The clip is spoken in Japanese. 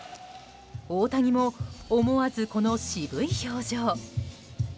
大谷も思わず、この渋い表情。